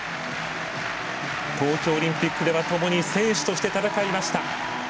東京オリンピックではともに選手として戦いました。